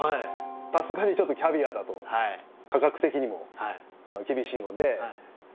さすがにちょっとキャビアだと、価格的にも厳しいので。